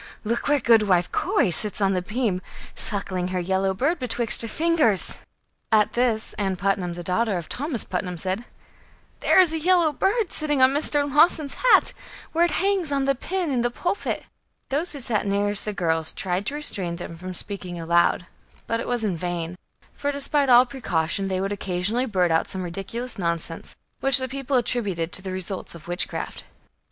look, where Goodwife Corey sits on the beam, suckling her yellow bird betwixt her fingers!" At this, Ann Putnam, the daughter of Thomas Putnam, said: "There is a yellow bird sitting on Mr. Lawson's hat, where it hangs on the pin in the pulpit." Those who sat nearest the girls tried to restrain them from speaking aloud; but it was in vain; for, despite all precaution, they would occasionally blurt out some ridiculous nonsense, which the people attributed to the results of witchcraft.